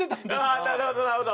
ああなるほどなるほど。